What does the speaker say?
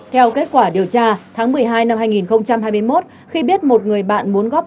theo kết quả điều tra tháng một mươi hai năm hai nghìn hai mươi một khi biết một người bạn muốn góp